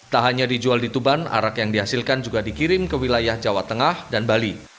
tak hanya dijual di tuban arak yang dihasilkan juga dikirim ke wilayah jawa tengah dan bali